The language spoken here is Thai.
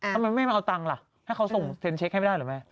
ทำไมไม่มาเอาตังค์ล่ะให้เขาส่งเซ็นเช็คให้ไม่ได้เหรอแม่